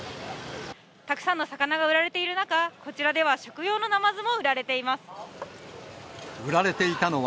たくさんの魚が売られている中、こちらでは、食用のナマズも売られています。